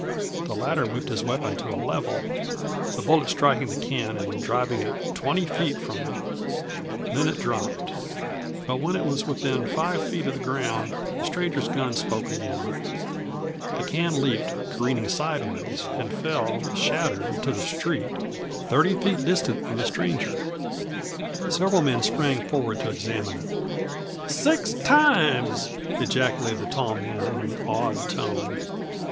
The latter whipped his weapon to a level, the bullet striking the can and driving it twenty feet from him. Then it dropped. But when it was within five feet of the ground the stranger's gun spoke again. The can leaped, careened sideways, and fell, shattered, to the street, thirty feet distant from the stranger. Several men sprang forward to examine it. "Six times!" ejaculated the tall man in an awed tone.